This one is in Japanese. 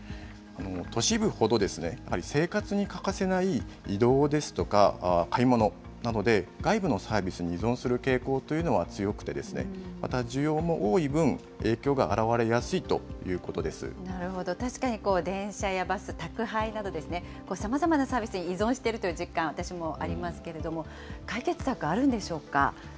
都市部ほど、やっぱり生活に欠かせない移動ですとか買い物などで、外部のサービスに依存する傾向というのは強くて、また需要も多い分、なるほど、確かに電車やバス、宅配など、さまざまなサービスに依存してるという実感、私もありますけど、解決策、あるんでしょうか。